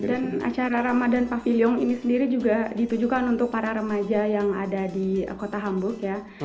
dan acara ramadan pavilion ini sendiri juga ditujukan untuk para remaja yang ada di kota hamburg ya